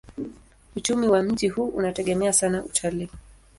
Uchumi wa mji huu unategemea sana utalii.